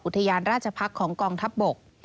ยานราชพักษ์ของกองทัพบก